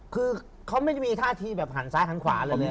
คือเขาไม่ได้มีท่าทีแบบหันซ้ายหันขวาเลยแม่